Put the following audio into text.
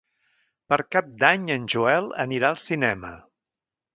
Per Cap d'Any en Joel anirà al cinema.